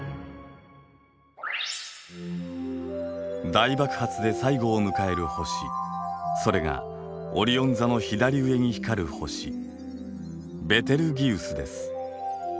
大爆発で最後を迎える星それがオリオン座の左上に光る星ベテルギウスです。